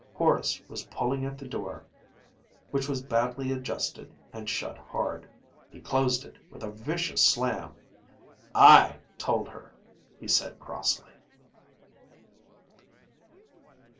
Horace was pulling at the door, which was badly adjusted and shut hard. He closed it with a vicious slam "I told her," he said crossly.